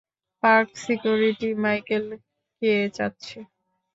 Park security Michael কে চাচ্ছে।